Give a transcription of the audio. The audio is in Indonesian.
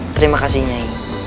terima kasih nyai